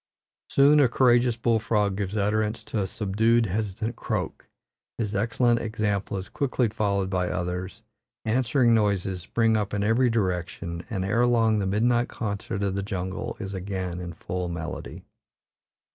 Soon a courageous bull frog gives utterance to a subdued, hesitative croak; his excellent example is quickly followed by others; answering noises spring up in every direction, and ere long the midnight concert of the jungle is again in full melody.